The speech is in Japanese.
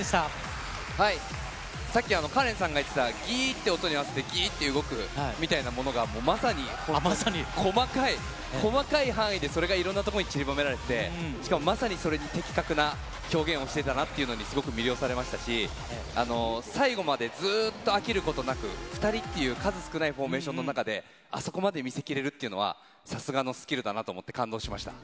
さっき、カレンさんが言ってた、ぎーって音に合わせて、ぎーって動くみたいなものが、まさに細かい、細かい範囲でそれがいろんなところにちりばめられてて、しかもまさに的確な表現をしていたのにすごく魅了されましたし、最後までずっと飽きることなく、２人っていう数少ないフォーメーションの中で、あそこまで見せ切れるっていうのは、さすがのスキルだなと思って、感動しました。